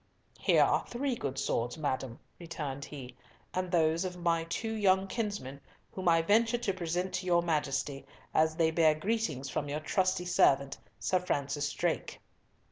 "Here are three good swords, madam," returned he, "mine own, and those of my two young kinsmen, whom I venture to present to your Majesty, as they bear greetings from your trusty servant, Sir Francis Drake."